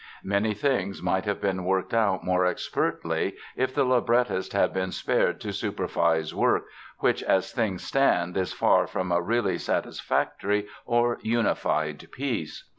Many things might have been worked out more expertly if the librettist had been spared to supervise work, which as things stand is far from a really satisfactory or unified piece.